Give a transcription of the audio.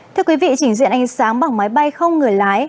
thưa quý vị chỉnh diện ánh sáng bằng máy bay không người lái